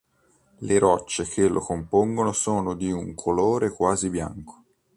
Le rocce che lo compongono sono di un colore quasi bianco.